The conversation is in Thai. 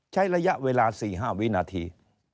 ใช้ระยะเวลา๔๕วินาที